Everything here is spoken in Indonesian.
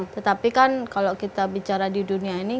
tetapi kan kalau kita bicara di dunia ini